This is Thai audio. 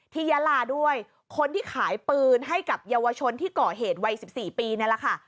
ยาลาด้วยคนที่ขายปืนให้กับเยาวชนที่ก่อเหตุวัย๑๔ปีนี่แหละค่ะ